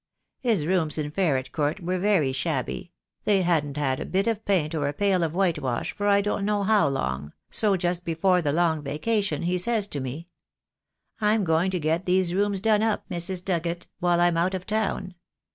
His rooms in Ferret Court were very shabby — they hadn't had a bit of paint or a pail of whitewash for I don't know how long, so just before the Long Vaca te Day will come. II. c 66 THE DAY WILL COME. tion he says to me, 'I'm going to get these rooms done up, Mrs. Dugget, while I'm out of town.